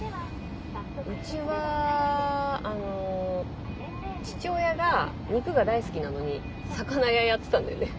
うちはあの父親が肉が大好きなのに魚屋やってたんだよね。